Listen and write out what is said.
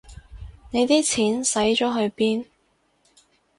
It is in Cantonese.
你啲錢使咗去邊